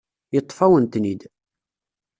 Yeṭṭef-awen-ten-id.